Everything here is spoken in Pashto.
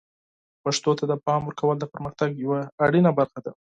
پښتو ته د پام ورکول د پرمختګ یوه مهمه برخه ده.